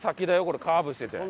これカーブしてて。